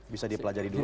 bisa dipelajari dulu ya